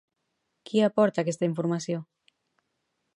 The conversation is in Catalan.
Qui aporta aquesta informació?